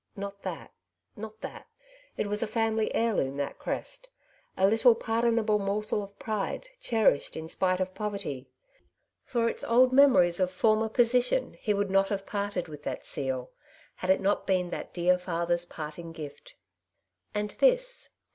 Not that, not that ; it was a family heirloom that crest — a little pardon able morsel of pride, cherished in spite of poverty. For its old memories of former position he would not have parted with that seal, had it not been that dear father^s parting gift. And this